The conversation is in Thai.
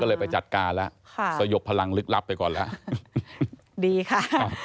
ก็เลยไปจัดการแล้วค่ะสยบพลังลึกลับไปก่อนแล้วดีค่ะ